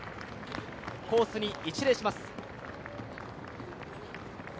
コースに一礼します。